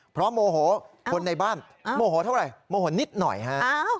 เพราะโมโหคนในบ้านโมโหเท่าไหร่โมโหนิดหน่อยฮะ